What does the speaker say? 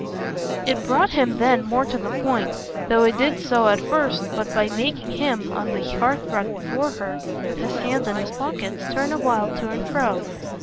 It brought him then more to the point, though it did so at first but by making him, on the hearthrug before her, with his hands in his pockets, turn awhile to and fro.